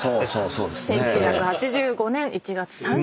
１９８５年１月３０日。